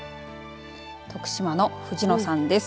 徳島の藤野さんです。